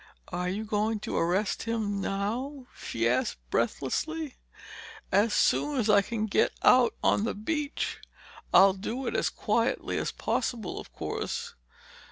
"Are you going to arrest him now?" she asked breathlessly. "As soon as I can get out on the beach. I'll do it as quietly as possible, of course.